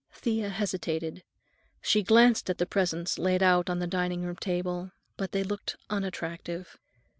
Thea hesitated. She glanced at the presents laid out on the dining room table, but they looked unattractive.